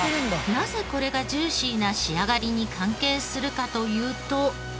なぜこれがジューシーな仕上がりに関係するかというと。